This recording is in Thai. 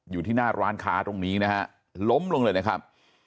อยู่ที่หน้าร้านค้าตรงนี้นะฮะล้มลงเลยนะครับ